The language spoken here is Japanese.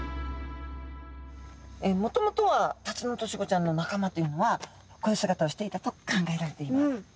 もともとはタツノオトシゴちゃんの仲間というのはこういう姿をしていたと考えられています。